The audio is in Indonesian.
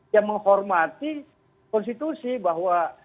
yang menghormati konstitusi bahwa